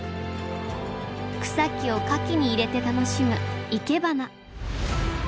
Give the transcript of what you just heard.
草木を花器に入れて楽しむいけばな。